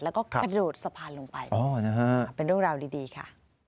แล้วก็กระโดดสะพานลงไปเป็นเรื่องราวดีค่ะ